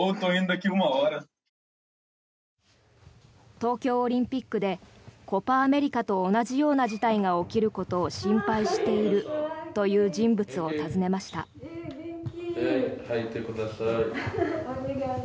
東京オリンピックでコパ・アメリカと同じような事態が起きることを心配しているという人物を訪ねました。